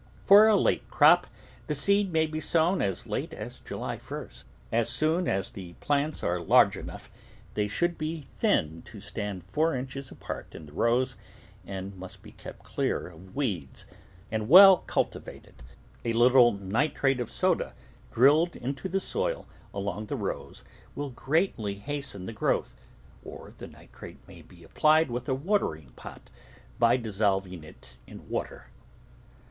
For a late crop, the seed may be sown as late as July 1st. As soon as the plants are large enough, they should be thinned to stand four inches apart in the rows and must be kept clear of weeds and well cultivated. A little nitrate of soda drilled into the soil along the rows will greatly hasten the growth, or the nitrate may be applied with a watering pot by dissolving it in water.